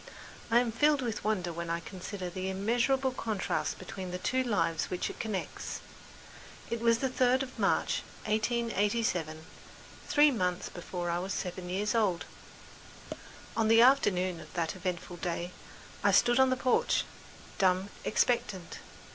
I am filled with wonder when I consider the immeasurable contrasts between the two lives which it connects. It was the third of March, 1887, three months before I was seven years old. On the afternoon of that eventful day, I stood on the porch, dumb, expectant.